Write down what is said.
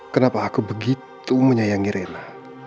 kenapa aku begitu menyayangi rena